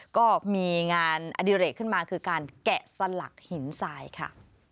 ก็มีงานอดิเรกขึ้นมาคือการแกะสลักหินทรายค่ะ